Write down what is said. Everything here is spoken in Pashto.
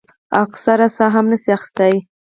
او اکثر ساه هم نشي اخستے ـ